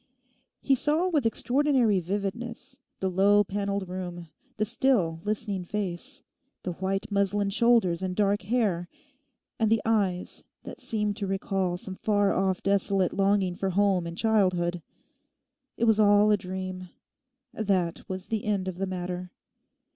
He saw with extraordinary vividness the low panelled room; the still listening face; the white muslin shoulders and dark hair; and the eyes that seemed to recall some far off desolate longing for home and childhood. It was all a dream. That was the end of the matter.